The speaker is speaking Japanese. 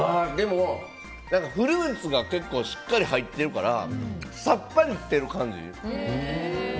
フルーツが結構しっかり入ってるからさっぱりしてる感じ。